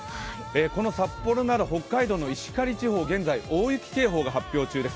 この札幌のある北海道・石狩地方には現在、大雪警報が発表中です。